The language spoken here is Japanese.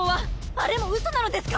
あれもうそなのですか